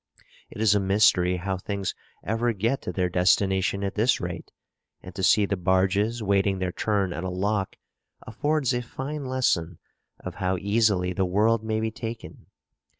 It is a mystery how things ever get to their destination at this rate; and to see the barges waiting their turn at a lock, affords a fine lesson of how easily the world may be taken.